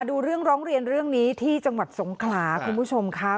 ดูเรื่องร้องเรียนเรื่องนี้ที่จังหวัดสงขลาคุณผู้ชมค่ะ